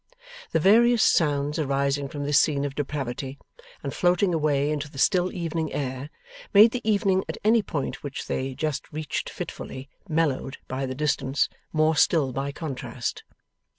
The various sounds arising from this scene of depravity, and floating away into the still evening air, made the evening, at any point which they just reached fitfully, mellowed by the distance, more still by contrast.